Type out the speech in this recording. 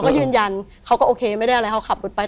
ก็ยืนยันเขาก็โอเคไม่ได้อะไรเขาขับรถไป